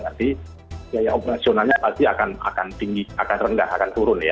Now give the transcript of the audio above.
nanti operasionalnya pasti akan rendah akan turun ya